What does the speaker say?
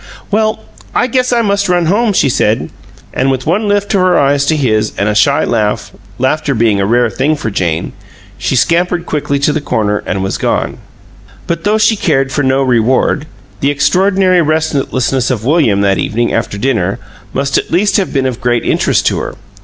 "Well, I guess I must run home," she said. And with one lift of her eyes to his and a shy laugh laughter being a rare thing for Jane she scampered quickly to the corner and was gone. But though she cared for no reward, the extraordinary restlessness of William, that evening, after dinner, must at least have been of great interest to her.